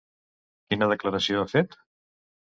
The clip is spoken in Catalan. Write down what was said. Quina declaració ha fet?